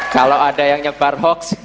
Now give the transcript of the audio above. kalau ada yang nyebar hoax